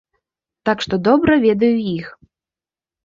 Так што добра ведаю іх!